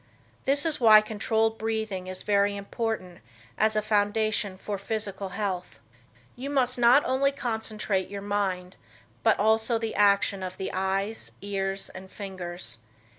This is why controlled breathing is very important as a foundation for physical health. You must not only concentrate your mind, but also the action of the eyes, ears and fingers.